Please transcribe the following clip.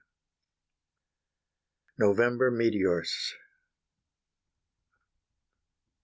NOVEMBER METEORS.